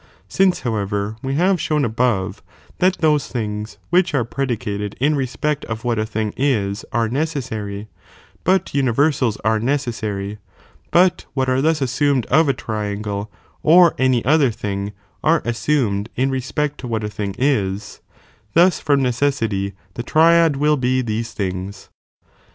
Since however we have I^lmi bonii, ahown above, J that those things which are predi cated in respect of what a thing is are necessary, but universals ace necessary, but what are thus assumed of a triangle, or any other thing, are assumed in respect to whalB thingiSjthusfromnecessity the triad will be these things.